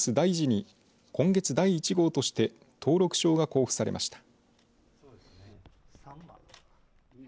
ＤＡＩＪＩに今月、第１号として登録証が交付されました。